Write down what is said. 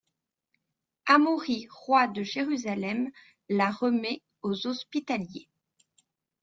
Amaury roi de Jérusalem la remet aux Hospitaliers.